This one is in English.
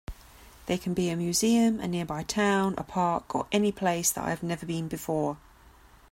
They can be a museum, a nearby town, a park, or any place that I have never been before.